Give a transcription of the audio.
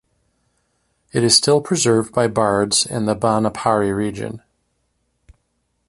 It is still preserved by bards in the Banaphari region.